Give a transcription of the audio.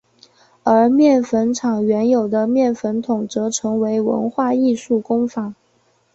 而面粉厂原有的面粉筒则成为文化艺术工坊。